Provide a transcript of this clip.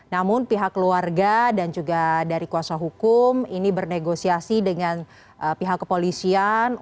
namun pihak keluarga dan juga dari kuasa hukum ini bernegosiasi dengan pihak kepolisian